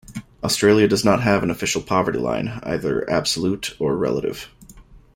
Australia does not have an official poverty line, either absolute or relative.